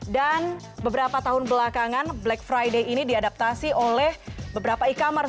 dan beberapa tahun belakangan black friday ini diadaptasi oleh beberapa e commerce